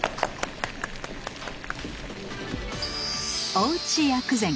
おうち薬膳！